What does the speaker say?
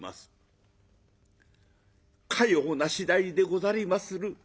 「かような次第でござりまする。